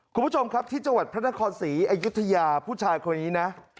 คุณผู้ชมครับที่จังหวัดพระนครศรีอยุธยาผู้ชายคนนี้นะ